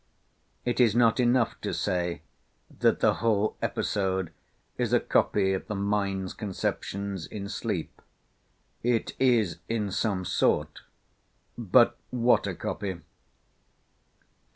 It is not enough to say that the whole episode is a copy of the mind's conceptions in sleep; it is, in some sort—but what a copy!